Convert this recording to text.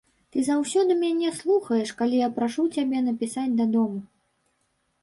Ты заўсёды мяне слухаеш, калі я прашу цябе напісаць дадому.